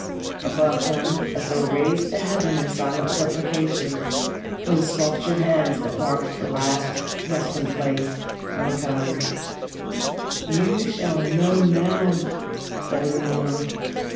Above him, as though raised to heaven in silent supplication, were the sculptured hands that marked the last resting place of a Kohn. "You shall know now," said Unorna.